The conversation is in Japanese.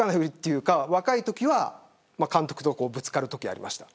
若いときは監督とぶつかるときもありました。